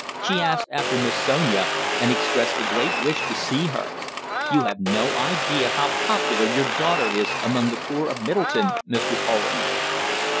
She asked after Miss Sonia, and expressed a great wish to see her. You have no idea how popular your daughter is among the poor of Middleton, Mr. Poland."